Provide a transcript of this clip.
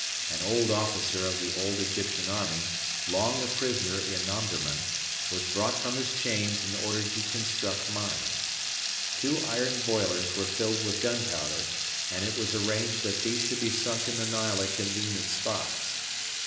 An old officer of the old Egyptian army, long a prisoner in Omdurman, was brought from his chains and ordered to construct mines. Two iron boilers were filled with gunpowder, and it was arranged that these should be sunk in the Nile at convenient spots.